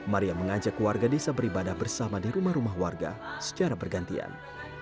maria mengajak warga desa beribadah bersama di rumah rumah warga secara bergantian